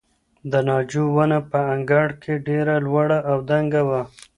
د ناجو ونه په انګړ کې ډېره لوړه او دنګه وه.